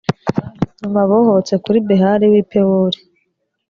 nyuma bohotse kuri behali w'i pewori